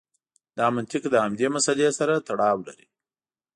دا منطق له همدې مسئلې سره تړاو لري.